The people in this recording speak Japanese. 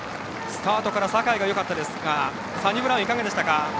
スタートから坂井がよかったですがサニブラウン、いかがでしたか。